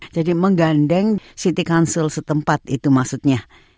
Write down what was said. jadi menggandeng city council setempat itu maksudnya